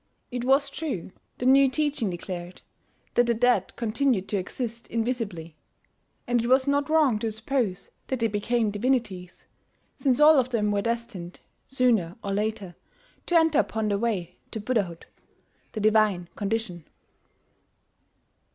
It was true, the new teaching declared, that the dead continued to exist invisibly; and it was not wrong to suppose that they became divinities, since all of them were destined, sooner or later, to enter upon the way to Buddhahood the divine condition.